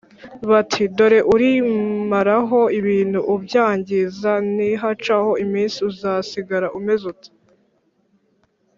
bati : «dore urimaraho ibintu ubyangiza, nihacaho iminsi uzasigara umeze ute ?